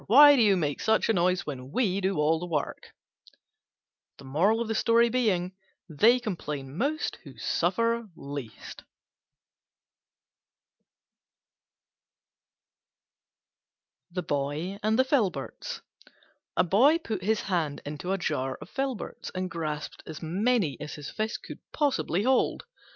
Why do you make such a noise when we do all the work?" They complain most who suffer least. THE BOY AND THE FILBERTS A Boy put his hand into a jar of Filberts, and grasped as many as his fist could possibly hold.